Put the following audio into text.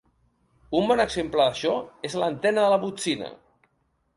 Un bon exemple d'això és l'antena de botzina.